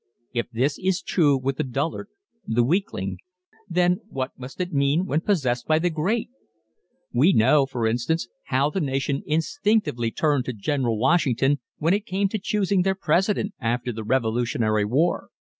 If this is true with the dullard, the weakling, then what must it mean when possessed by the great? We know, for instance, how the nation instinctively turned to General Washington when it came to choosing their President after the Revolutionary War.